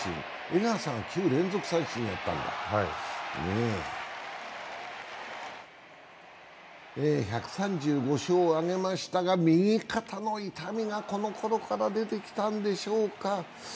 江夏さんは９連続三振をやったんだ１３５勝を挙げましたが右肩の痛みがこのころから出てきたんでしょうか。